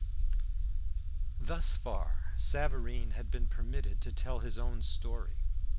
Thus far Savareen had been permitted to tell his own story.